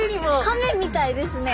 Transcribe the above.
カメみたいですね。